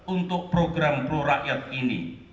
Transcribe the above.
untuk program prorakyat ini